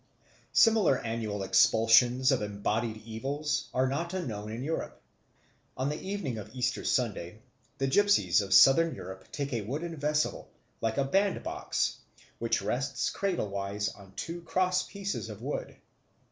Similar annual expulsions of embodied evils are not unknown in Europe. On the evening of Easter Sunday the gypsies of Southern Europe take a wooden vessel like a band box, which rests cradle wise on two cross pieces of wood.